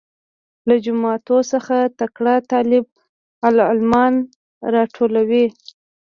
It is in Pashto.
له جوماتو څخه تکړه طالب العلمان راټولوي.